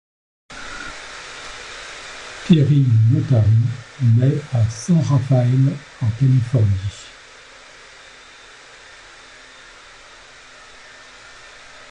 Terry Notary nait à San Rafael, en Californie.